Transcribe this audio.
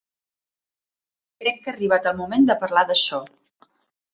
Crec que ha arribat el moment de parlar d'això.